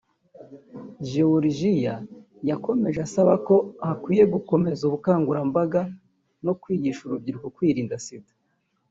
Georigia yakomeje asaba ko hakwiye gukomeza ubukangurambaga no kwigisha urubyiruko kwirinda Sida